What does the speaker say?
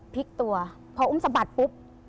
พลิกตัวพออุ้มสะบัดปุ๊บ